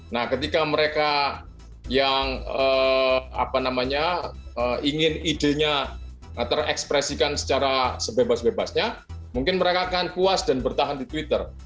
nah ketika mereka yang ingin idenya terekspresikan secara sebebas bebasnya mungkin mereka akan puas dan bertahan di twitter